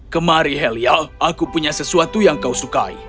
kemari helia aku punya sesuatu yang kau sukai